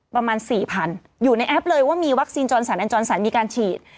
ประมาณสี่พันอยู่ในแอปเลยว่ามีวัคซีนจรสันแอนจรสันมีการฉีด